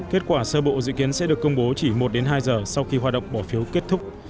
kết quả sơ bộ dự kiến sẽ được công bố chỉ một đến hai giờ sau khi hoạt động bỏ phiếu kết thúc